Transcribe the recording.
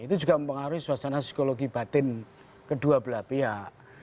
itu juga mempengaruhi suasana psikologi batin kedua belah pihak